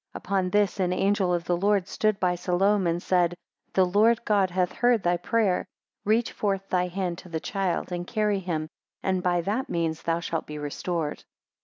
25 Upon this an angel of the Lord stood by Salome, and said, The Lord God hath heard thy prayer, reach forth thy hand to the child, and carry him, and by that means thou shalt be restored.